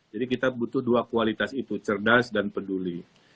jadi kita butuh dua kualitas itu cerdas dan peduli